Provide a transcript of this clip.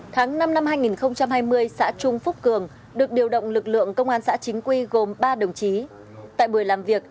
tháng năm năm hai nghìn hai mươi xã trung phúc cường được điều động lực lượng công an xã chính quy gồm ba đồng chí